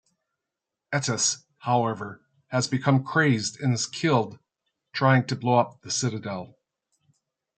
Ettis, however, has become crazed and is killed trying to blow up the Citadel.